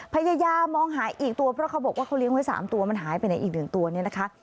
พยายามมองหาอีกตัวเพราะเขาบอกว่าเขาเลี้ยงไว้๓ตัวมันหายไปไหนอีก๑ตัวเนี่ยนะคะ